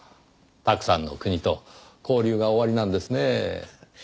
たくさんの国と交流がおありなんですねぇ。